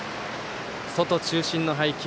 外中心の配球。